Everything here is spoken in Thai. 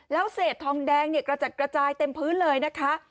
แล้วเศษทองแดงเนี่ยกระจัดกระจายเต็มพื้นเลยนะคะ